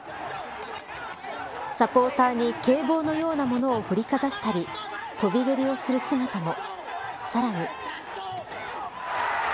サポーターに警棒のようなものを振りかざしたり飛び蹴りをする姿も。